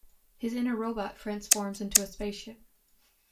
His inner robot transforms into a spaceship.